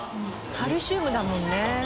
カルシウムだもんね。